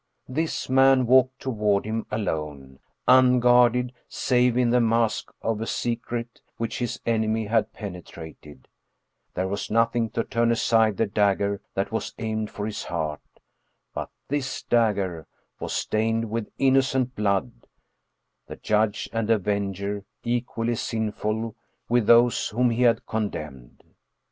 This man walked toward him alone, unguarded save in the mask of a secret which his enemy had pene trated there was nothing to turn aside the dagger that was aimed for his heart but this dagger was stained with innocent blood, the Judge and Avenger equally sinful with those whom he had condemned.